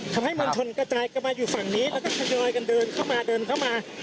ทำให้มวลชนกระจายกลับมาอยู่ฝั่งนี้แล้วก็ทยอยกันเดินเข้ามาเดินเข้ามา